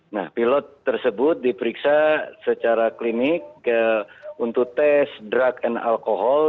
nah pilot tersebut diperiksa secara klinik untuk tes drug and alkohol